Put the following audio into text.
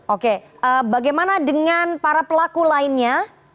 oke bagaimana dengan para pelaku lainnya